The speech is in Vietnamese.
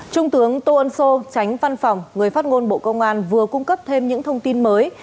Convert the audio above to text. trung tướng tô ân sô tránh văn phòng người phát ngôn bộ công an vừa cung cấp thêm những thông tin mới